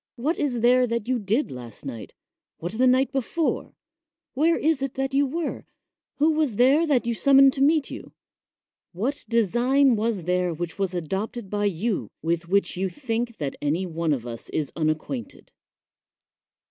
What is there that you did last night, what the night before — where is it that you were — who was there that you summoned to meet you — what design was there which was adopted by you, with which you think that any one of us is unacquainted?